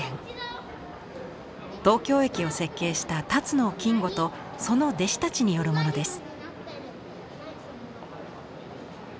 東京駅を設計した辰野金吾とその弟子たちによるものです。